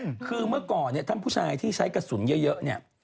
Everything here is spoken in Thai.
อืมคือเมื่อก่อนเนี้ยท่านผู้ชายที่ใช้กระสุนเยอะเยอะเนี้ย